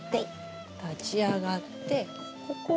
立ち上がってここを通る。